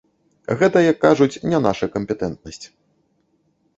Гэта, як кажуць, не наша кампетэнтнасць.